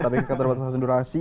tapi kita terbatas durasi